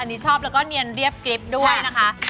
อันนี้ชอบแล้วก็เนียนเรียบกริ๊บด้วยนะคะ